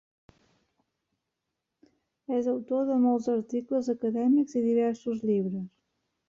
És autor de molts articles acadèmics i diversos llibres.